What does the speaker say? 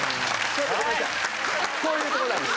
こういうとこなんです。